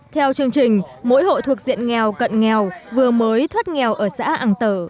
theo chương trình mỗi hộ thuộc diện nghèo cận nghèo vừa mới thoát nghèo ở xã ang tở